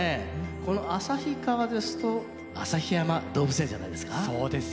この旭川ですと旭山動物園じゃないですか。